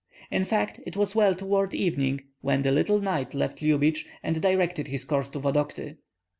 In fact, it was well toward evening when the little knight left Lyubich and directed his course to Vodokty.